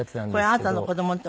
これあなたの子供の時？